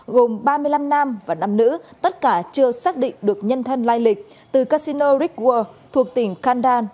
gồm ba mươi năm nam và năm nữ tất cả chưa xác định được nhân thân lai lịch từ casino rickworld thuộc tỉnh kandan